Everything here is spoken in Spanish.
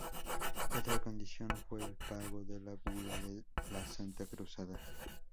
Otra condición fue el pago de la Bula de la Santa Cruzada.